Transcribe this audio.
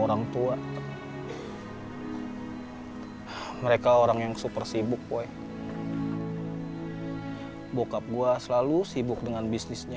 hai mereka orang yang super sibuk poy hai bokap gua selalu sibuk dengan bisnisnya